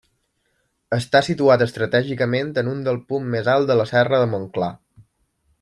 Està situat estratègicament en un dels punts més alts de la serra de Montclar.